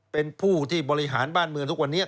เป็นผู้ที่บริหารบ้านเมืองทุกวันนี้